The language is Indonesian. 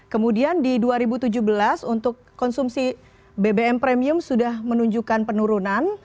kemudian di dua ribu tujuh belas untuk konsumsi bbm premium sudah menunjukkan penurunan